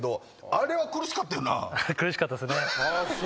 あれ苦しかったですね。